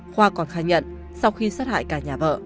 khoa còn khai nhận sau khi sát hại cả nhà vợ